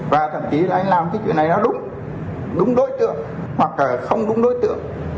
và thậm chí là anh làm cái chuyện này nó đúng đối tượng hoặc là không đúng đối tượng